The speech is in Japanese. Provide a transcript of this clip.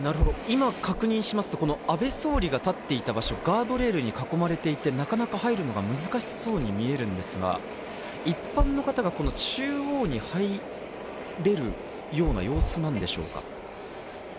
今、確認しますと、安倍総理が立っていた場所というのはガードレールに囲まれていて、近づくのは難しそうに見えますが、一般の方は中央に入れるような様子なんでしょうか？